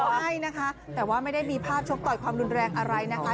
ใช่นะคะแต่ว่าไม่ได้มีภาพชกต่อยความรุนแรงอะไรนะคะ